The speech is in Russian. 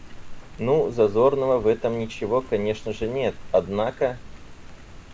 Ну, зазорного в этом ничего конечно же нет, однако...